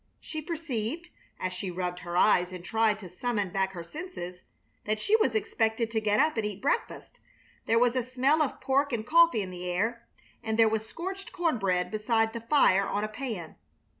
She perceived, as she rubbed her eyes and tried to summon back her senses, that she was expected to get up and eat breakfast. There was a smell of pork and coffee in the air, and there was scorched corn bread beside the fire on a pan.